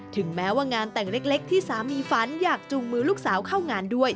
ถึงแม้ว่างานแต่งเล็กที่สามีฝันอยากจูงมือลูกสาวเข้างานด้วย